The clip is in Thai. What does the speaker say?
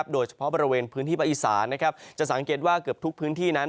โดยเฉพาะบริเวณพื้นที่ภาคอีสานจะสังเกตว่าเกือบทุกพื้นที่นั้น